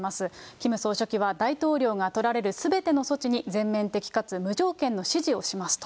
キム総書記は、大統領が取られるすべての措置に全面的かつ無条件の支持をしますと。